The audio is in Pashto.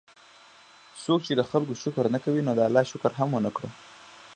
څوک چې د خلکو شکر نه کوي، نو ده د الله شکر هم ونکړو